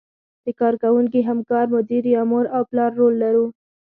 د کار کوونکي، همکار، مدیر یا مور او پلار رول لرو.